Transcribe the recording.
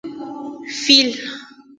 🐘 فېل